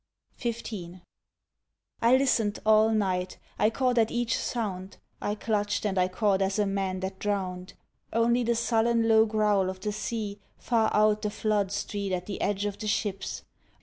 XV. I listened all night. I caught at each sound; I clutched and I caught as a man that drown’d. ... Only the sullen low growl of the sea Far out the flood street at the edge of the ships.